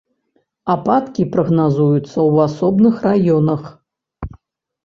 Ападкі прагназуюцца ў асобных раёнах.